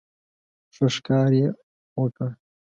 ښه ښکار یې وکړ.